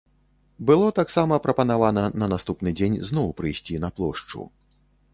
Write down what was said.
Было таксама прапанавана на наступны дзень зноў прыйсці на плошчу.